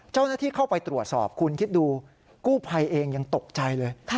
เจ้าหน้าที่เข้าไปตรวจสอบคุณคิดดูกู้ภัยเองยังตกใจเลย